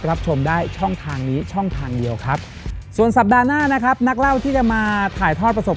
รับชมได้ช่องทางนี้ช่องทางเดียวครับ